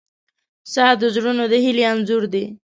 • ساعت د زړونو د هیلې انځور دی.